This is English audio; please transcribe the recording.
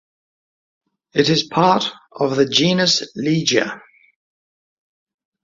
It is part of the genus Ligia.